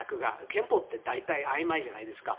憲法って大体あいまいじゃないですか。